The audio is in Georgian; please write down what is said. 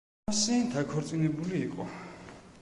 ტომასი დაქორწინებული იყო.